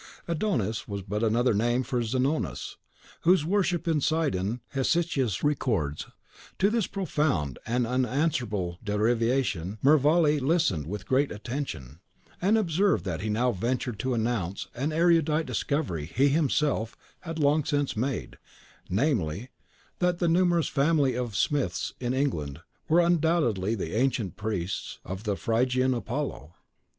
Adonis was but another name for Zanonas, whose worship in Sidon Hesychius records. To this profound and unanswerable derivation Mervale listened with great attention, and observed that he now ventured to announce an erudite discovery he himself had long since made, namely, that the numerous family of Smiths in England were undoubtedly the ancient priests of the Phrygian Apollo.